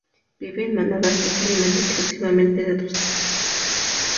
Vive en manadas, y se alimenta exclusivamente de otros peces.